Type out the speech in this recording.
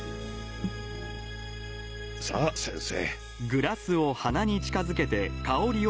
さぁ先生。